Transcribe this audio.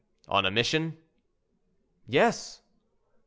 "On a mission?" "Yes."